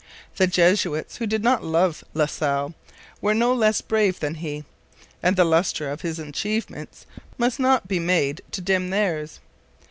The Jesuits, who did not love La Salle, were no less brave than he, and the lustre of his achievements must not be made to dim theirs.